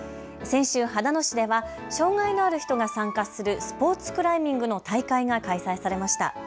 先週、秦野市では障害のある人が参加するスポーツクライミングの大会が開催されました。